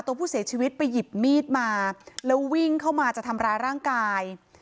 ตัวผู้เสียชีวิตไปหยิบมีดมาแล้ววิ่งเข้ามาจะทำร้ายร่างกาย